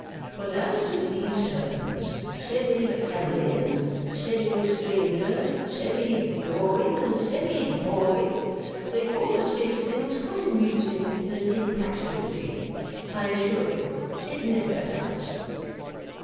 But as to these terms, semi family and semi stranger, semi goring and semi boring, they form a state of things quite amusing in its impracticability. I assure you it never does.